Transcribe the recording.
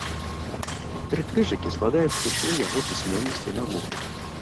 Тры крыжыкі складаюць усю яго пісьменнасць і навуку.